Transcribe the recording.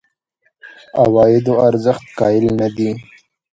عوایدو ارزښت قایل نه دي.